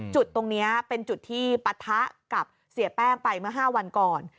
จุดตรงนี้เป็นจุดที่ปะทะกับเสียแป้งไปเมื่อ๕วันก่อน